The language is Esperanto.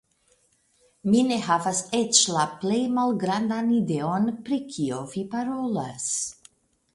Mi ne havas eĉ la plej malgrandan ideon pri kio vi parolas.